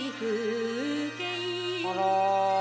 あら。